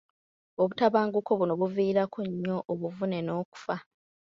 Obutabanguko buno buviirako nnyo obuvune n'okufa.